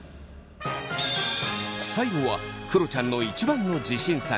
最後はくろちゃんの一番の自信作